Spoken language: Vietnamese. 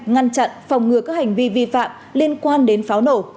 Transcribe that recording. ngăn chặn phòng ngừa các hành vi vi phạm liên quan đến pháo nổ